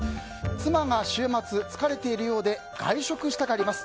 妻が週末、疲れているようで外食したがります。